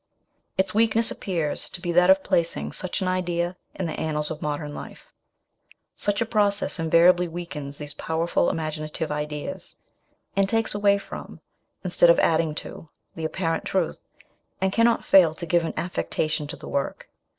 Its weakness appears to be that of placing such an idea in the annals of modern life; such a process invariably weakens these powerful ima ginative ideas, and takes away from, instead of adding to, the apparent truth, and cannot fail to give an affectation to the work.